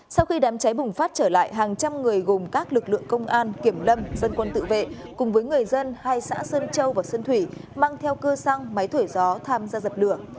sau khi đám cháy bùng phát trở lại hàng trăm người gồm các lực lượng công an kiểm lâm dân quân tự vệ cùng với người dân hai xã sơn châu và xuân thủy mang theo cơ xăng máy thổi gió tham gia dập lửa